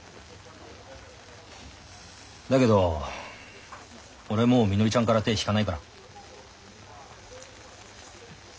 だけど俺もうみのりちゃんから手引かないから。